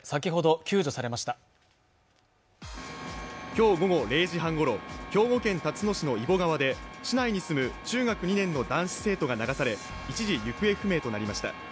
今日午後０時半ごろ、兵庫県たつの市の揖保川で、市内に住む中学２年の男子生徒が流され、一時、行方不明となりました。